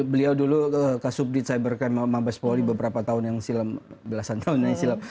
beliau dulu ke subdit cybercam mabes poli beberapa tahun yang silam belasan tahun yang silam